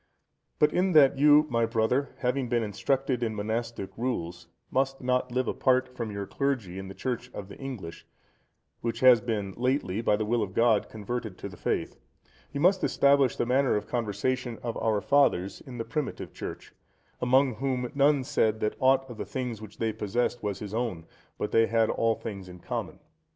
But in that you, my brother, having been instructed in monastic rules, must not live apart from your clergy in the Church of the English, which has been lately, by the will of God, converted to the faith, you must establish the manner of conversation of our fathers in the primitive Church, among whom, none said that aught of the things which they possessed was his own, but they had all things common.